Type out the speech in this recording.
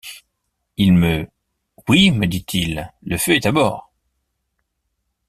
Il me « Oui, me dit-il, le feu est à bord.